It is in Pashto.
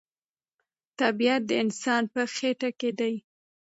طبیعت د انسان په خټه کې دی.